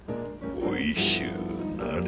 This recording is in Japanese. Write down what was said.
おいしゅうなれ。